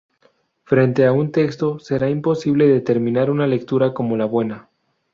Frente a un texto será imposible determinar una lectura como la buena.